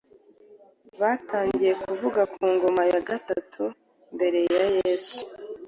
Batangiye kuva ku ngoma ya gatatu mbere ya Yesu